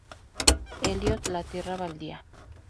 Eliot "La tierra baldía".